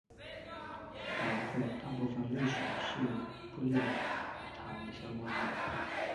南特大部分历史是与布列塔尼相关的。